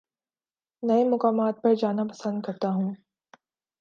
نئے مقامات پر جانا پسند کرتا ہوں